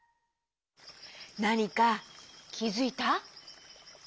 なにかきづいた？